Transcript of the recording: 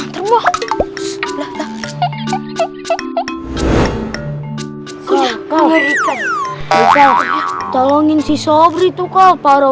nah kalian mancu manca bitur